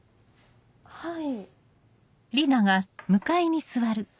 はい。